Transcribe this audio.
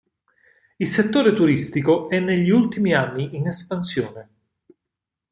Il settore turistico è negli ultimi anni in espansione.